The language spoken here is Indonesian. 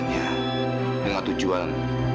tidak ada tujuan